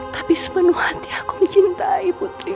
tapi sepenuh hati aku mencintai putri